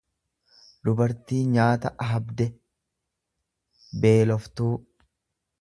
dubartii nyaata ahabde, beeloftuu.